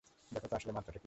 দেখো তো, আসলে মাত্রাটা কী?